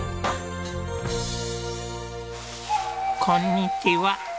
こんにちは。